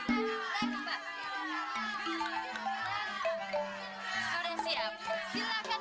silakan berbicara ibu presiden